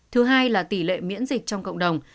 thứ hai là tỷ lệ miễn dịch trong cộng đồng